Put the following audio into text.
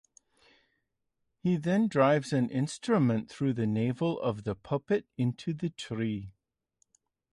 He then drives an instrument through the navel of the puppet into the tree.